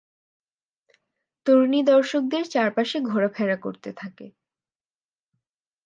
তরুণী দর্শকদের চারপাশে ঘোরাফেরা করতে থাকে।